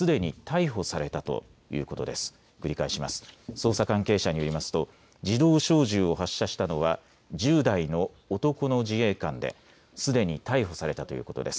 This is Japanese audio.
捜査関係者によりますと自動小銃を発射したのは１０代の男の自衛官ですでに逮捕されたということです。